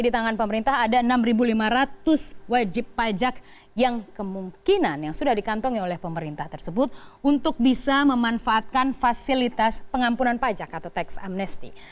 di tangan pemerintah ada enam lima ratus wajib pajak yang kemungkinan yang sudah dikantongi oleh pemerintah tersebut untuk bisa memanfaatkan fasilitas pengampunan pajak atau tax amnesty